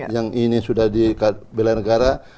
yang ini sudah di belanegara